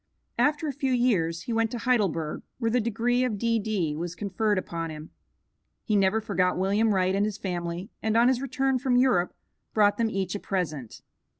After a few years, he went to Heidelberg, where the degree of D.D. was conferred upon him. He never forgot William Wright and his family, and on his return from Europe brought them each a present.